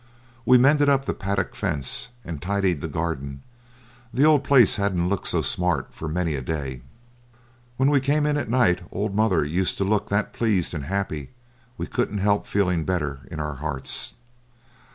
We mended up the paddock fence, and tidied the garden. The old place hadn't looked so smart for many a day. When we came in at night old mother used to look that pleased and happy we couldn't help feeling better in our hearts.